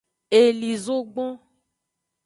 Eli zogbon.